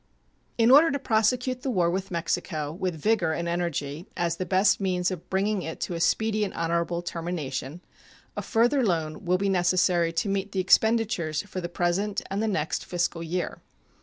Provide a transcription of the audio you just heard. In order to prosecute the war with Mexico with vigor and energy, as the best means of bringing it to a speedy and honorable termination, a further loan will be necessary to meet the expenditures for the present and the next fiscal year.